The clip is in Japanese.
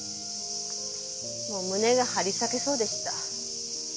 もう胸が張り裂けそうでした。